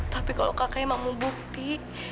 tapi kalau kakak emang mau bukti